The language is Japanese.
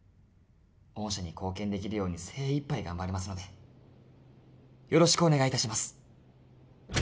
御社に貢献できるように精いっぱい頑張りますのでよろしくお願いいたします